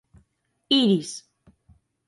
Iris.